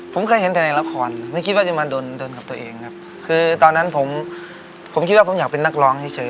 ผมเคยเห็นแต่ในละครไม่คิดว่าจะมาโดนโดนกับตัวเองครับคือตอนนั้นผมผมคิดว่าผมอยากเป็นนักร้องให้ซื้อ